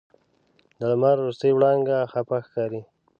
د لمر وروستۍ وړانګه خفه ښکاري